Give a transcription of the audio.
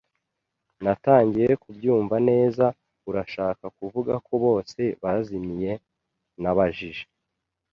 Natangiye kubyumva neza. “Urashaka kuvuga ko bose bazimiye?” Nabajije.